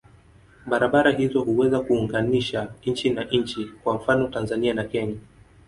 Barabara hizo huweza kuunganisha nchi na nchi, kwa mfano Tanzania na Kenya.